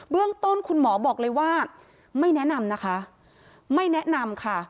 เบื้องต้นคุณหมอบอกเลยว่าไม่แนะนำนะคะ